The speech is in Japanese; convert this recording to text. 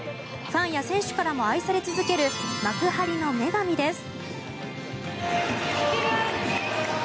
ファンや選手からも愛され続ける幕張の女神です。